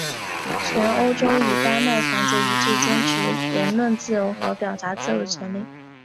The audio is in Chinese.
全欧洲与丹麦团结一致坚持言论自由和表达自由的权利。